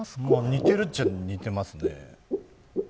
似てるっちゃ似てますね。